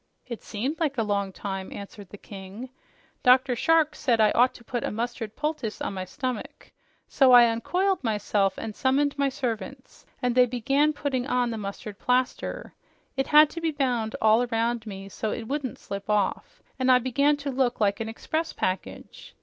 "It seemed like a long time," answered the King. "Dr. Shark said I ought to put a mustard poultice on my stomach, so I uncoiled myself and summoned my servants, and they began putting on the mustard plaster. It had to be bound all around me so it wouldn't slip off, and I began to look like an express package.